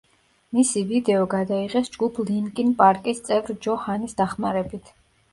მისი ვიდეო გადაიღეს ჯგუფ ლინკინ პარკის წევრ ჯო ჰანის დახმარებით.